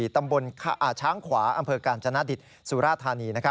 ตำบลอาช้างขวาอำเภอกรรณจนาดิษฐ์สุราธารณี